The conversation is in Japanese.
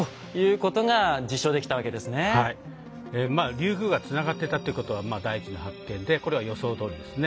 竜宮がつながってたってことは第一の発見でこれは予想どおりですね。